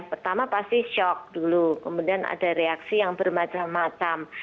pertama pasti shock dulu kemudian ada reaksi yang bermacam macam